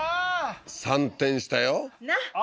三転したよなあ？